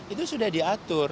itu sudah diatur